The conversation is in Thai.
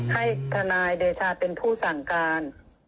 ให้ทนายเดชาเป็นผู้สั่งการ